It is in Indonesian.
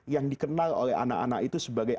yang dikenal oleh anak anak itu sebagai